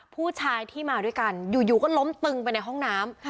ผู้ชายที่มาด้วยกันอยู่ก็ล้มตึงไปในห้องน้ำ